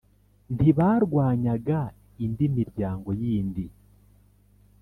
ntibarwanyaga indi miryango yindi